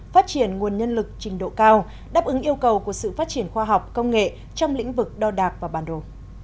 phát triển nguồn nhân lực trình độ cao đáp ứng yêu cầu của sự phát triển khoa học công nghệ trong lĩnh vực đo đạc và bản đồ